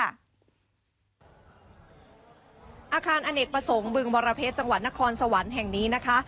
อาคารอเนกประสงค์บึงบรเพชรจังหวัดนครสวรรค์แห่งนี้นะคะ